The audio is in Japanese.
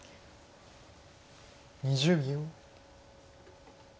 ２０秒。